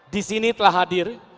di sini telah hadir